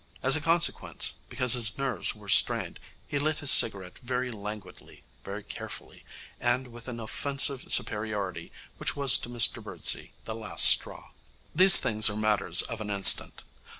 As a consequence, because his nerves were strained, he lit his cigarette very languidly, very carefully, and with an offensive superiority which was to Mr Birdsey the last straw. These things are matters of an instant.